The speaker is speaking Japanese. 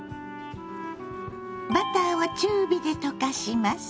バターを中火で溶かします。